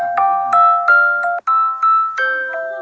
้มแกะก่อนจริงเหรอ